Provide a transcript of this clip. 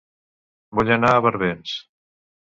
Vull anar a Barbens